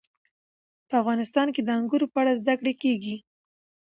په افغانستان کې د انګورو په اړه زده کړه کېږي.